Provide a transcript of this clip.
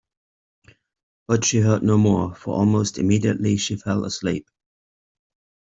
But she heard no more, for almost immediately she fell asleep.